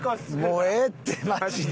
もうええってマジで。